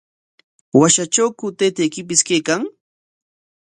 ¿Washatrawku taytaykipis kaykan?